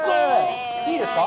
いいですか？